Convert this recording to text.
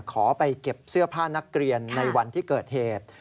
ขอไปเก็บเสื้อผ้านักเรียนในวันที่เกิดเหตุ